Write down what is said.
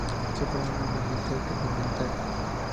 Se forman en un ambiente sedimentario.